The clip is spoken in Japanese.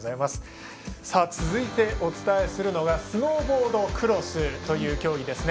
続いてお伝えするのがスノーボードクロスという競技。